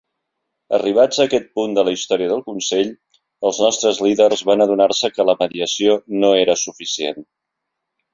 Arribats a aquest punt de la història del Consell, els nostres líders van adonar-se que la mediació no era suficient.